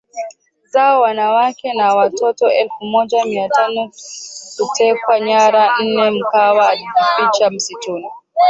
zao wanawake na watoto elfu moja mia tano kutekwa nyara nneMkwawa alijificha msituni